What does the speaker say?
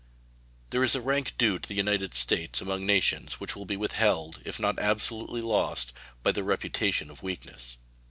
There is a rank due to the United States among nations which will be withheld, if not absolutely lost, by the reputation of weakness.